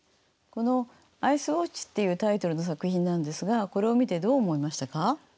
この「アイス・ウオッチ」っていうタイトルの作品なんですがこれを見てどう思いましたか？